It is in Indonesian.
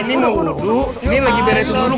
ini udah beres dulu